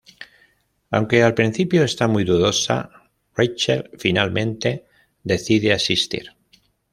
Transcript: Aunque al principio está muy dudosa, Rachel finalmente decide asistir.